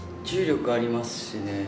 重力ありますしね。